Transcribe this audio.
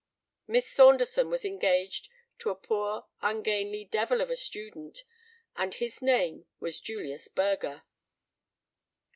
Miss Saunderson was engaged to a poor ungainly devil of a student, and his name was Julius Burger."